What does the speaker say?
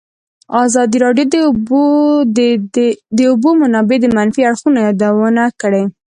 ازادي راډیو د د اوبو منابع د منفي اړخونو یادونه کړې.